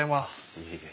いえいえ。